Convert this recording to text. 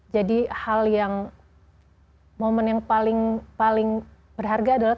jadi hal yang momen yang paling berharga adalah